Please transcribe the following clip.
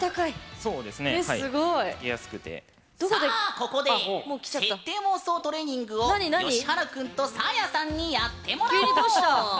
ここで設定妄想トレーニングをよしはる君とサーヤさんにやってもらおう！